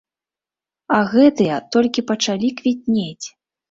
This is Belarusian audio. А гэтыя, толькі пачалі квітнець!